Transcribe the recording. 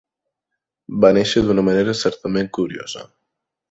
Va néixer d’una manera certament curiosa.